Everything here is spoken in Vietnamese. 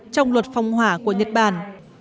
trong luật phòng hỏa của nhật bản